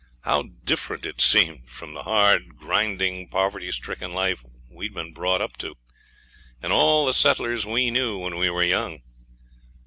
How different it seemed from the hard, grinding, poverty stricken life we had been brought up to, and all the settlers we knew when we were young!